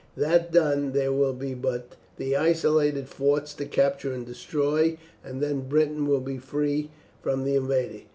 That done, there will be but the isolated forts to capture and destroy, and then Britain will be free from the invader.